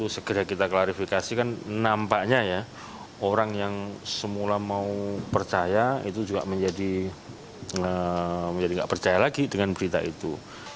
segera kita klarifikasi kan nampaknya ya orang yang semula mau percaya itu juga menjadi tidak percaya lagi dengan berita itu